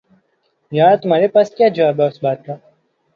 یار تمہارے پاس کیا جواب ہے اس بات کا